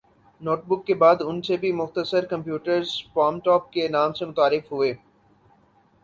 note book کے بعد ان سے بھی مختصر کمپیوٹرز پام ٹوپ کے نام سے متعارف ہوئے